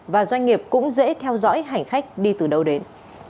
và doanh nghiệp cũng dễ theo dõi hành khách đi từ đâu đến